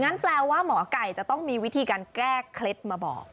แปลว่าหมอไก่จะต้องมีวิธีการแก้เคล็ดมาบอก